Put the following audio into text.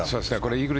イーグル